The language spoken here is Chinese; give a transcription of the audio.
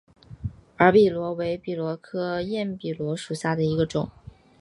耳笔螺为笔螺科焰笔螺属下的一个种。